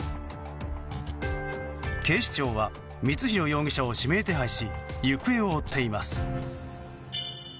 警視庁は光弘容疑者を指名手配し行方を追っています。